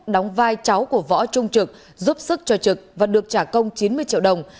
đóng vai cháu của võ trung trực giúp sức cho trực và được trả công chín mươi triệu đồng